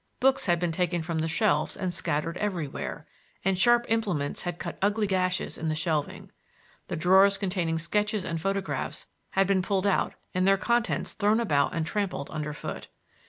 Books had been taken from the shelves and scattered everywhere, and sharp implements had cut ugly gashes in the shelving. The drawers containing sketches and photographs had been pulled out and their contents thrown about and trampled under foot.